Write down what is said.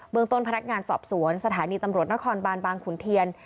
เมืองต้นพนักงานสอบสวนสถานีตำรวจนครบานบางขุนเทียน